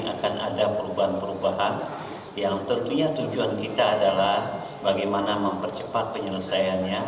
akan ada perubahan perubahan yang tentunya tujuan kita adalah bagaimana mempercepat penyelesaiannya